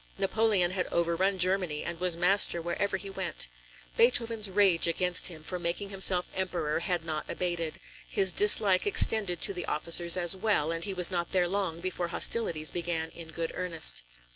Napoleon had overrun Germany, and was master wherever he went. Beethoven's rage against him for making himself Emperor had not abated; his dislike extended to the officers as well, and he was not there long before hostilities began in good earnest.